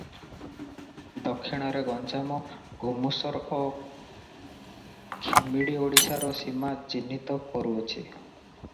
ଦକ୍ଷିଣରେ ଗଞ୍ଜାମ, ଘୁମୁଷର ଓ ଖିମିଡ଼ୀ ଓଡ଼ିଶାର ସୀମା ଚିହ୍ନିତ କରୁଅଛି ।